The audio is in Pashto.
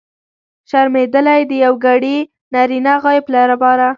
شرمېدلی! د یوګړي نرينه غایب لپاره.